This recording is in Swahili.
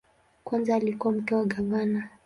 Kwanza alikuwa mke wa gavana.